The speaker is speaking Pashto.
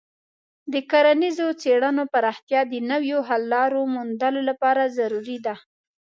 د کرنیزو څیړنو پراختیا د نویو حل لارو موندلو لپاره ضروري ده.